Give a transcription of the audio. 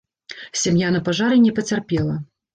Сям'я на пажары не пацярпела.